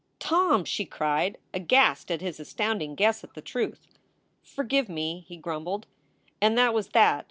"Tom!" she cried, aghast at his astounding guess at the truth. "Forgive me!" he grumbled. And that was that.